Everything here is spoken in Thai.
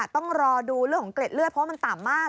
ต้องรอดูเรื่องของเกล็ดเลือดเพราะว่ามันต่ำมาก